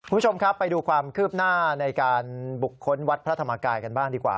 คุณผู้ชมครับไปดูความคืบหน้าในการบุคคลวัดพระธรรมกายกันบ้างดีกว่า